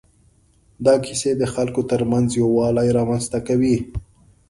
دا کیسې د خلکو تر منځ یووالی رامنځ ته کوي.